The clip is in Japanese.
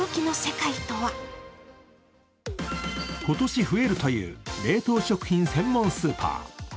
今年増えるという冷凍食品専門スーパー。